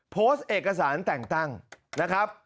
โพสต์เอกสารแต่งตั้งนะครับ